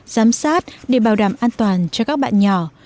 giám sát để bảo đảm an toàn cho các bạn nhỏ